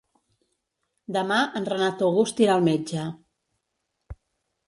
Demà en Renat August irà al metge.